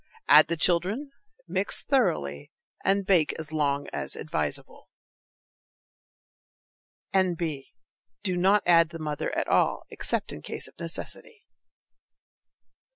Add the children, mix thoroughly, and bake as long as advisable. N. B. Do not add the mother at all, except in case of necessity.